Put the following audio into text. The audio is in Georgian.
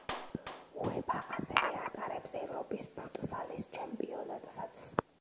უეფა ასევე ატარებს ევროპის ფუტსალის ჩემპიონატსაც.